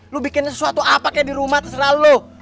lu bikin sesuatu apa kayak di rumah terserah lu